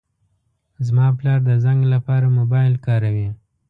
زما پلار د زنګ لپاره موبایل کاروي.